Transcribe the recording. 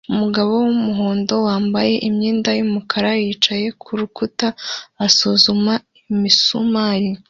Umugore wumuhondo wambaye imyenda yumukara yicaye kurukuta asuzuma imisumari